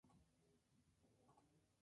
Waters está enojado con la Dra.